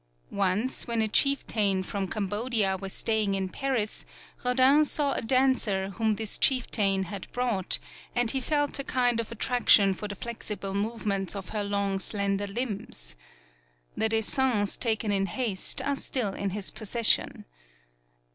Once when a chieftain from Cam bodia was staying in Paris, Rodin saw a dancer whom this chieftain had brought, and he felt a kind of attrac tion for the flexible movements of her long slender limbs. The dessins taken in haste are still in his possession.